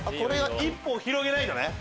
一歩を広げないとね。